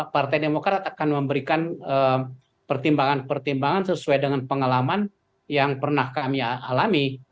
partai demokrat akan memberikan pertimbangan pertimbangan sesuai dengan pengalaman yang pernah kami alami